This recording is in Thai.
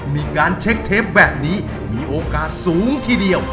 มีการเช็คเทปแบบนี้มีโอกาสสูงทีเดียว